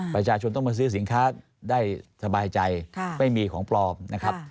ประชาชนต้องมาซื้อสินค้าได้สบายใจไม่มีของปลอมนะครับ